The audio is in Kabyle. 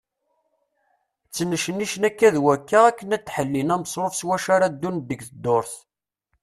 Ttnecnicen akka d wakka akken ad ḥellin amesruf s wacu ara ddun deg ddurt.